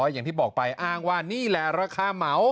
อย่างที่บอกไปอ้างว่านี่แหละราคาเหมา